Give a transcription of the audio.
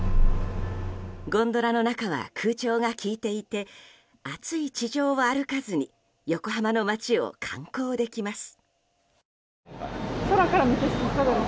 ゴンドラの中は空調が効いていて暑い地上を歩かずに横浜の街を観光できます。